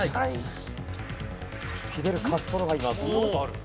フィデル・カストロがいます。